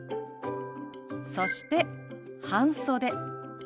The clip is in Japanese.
そして「半袖」。